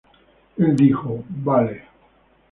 Él dijo: "Vale".